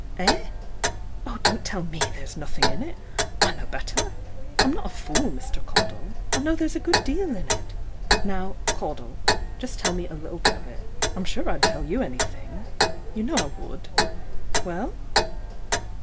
Eh? Oh, don't tell me there's nothing in it; I know better. I'm not a fool, Mr. Caudle; I know there's a good deal in it. Now, Caudle, just tell me a little bit of it. I'm sure I'd tell you anything. You know I would. Well?